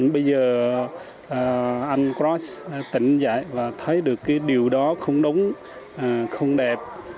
bây giờ anh krop tỉnh dậy và thấy được điều đó không đúng không đẹp